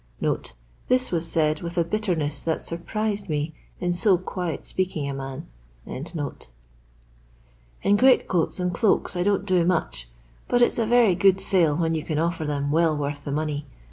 [This was said with a bitterness I that surprised me in so quiet speaking a man.] In greatcoats and cloaks I don't do much, but it's a very good sale when you can offer them I well worth the money.